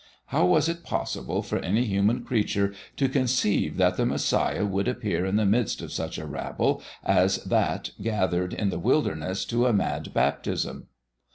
How was it possible for any human creature to conceive that the Messiah would appear in the midst of such a rabble as that gathered in the wilderness to a mad baptism?